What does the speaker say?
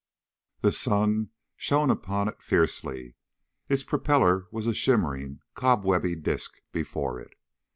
The sun shone upon it fiercely. Its propeller was a shimmering, cobwebby disk before it.